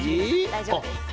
大丈夫です。